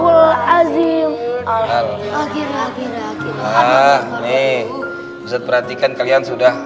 ustaz perhatikan kalian sudah